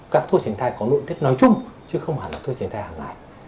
các thuốc tránh thai có nội tiết nói chung chứ không hẳn là thuốc tránh thai hàng ngày